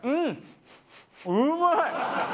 うまい！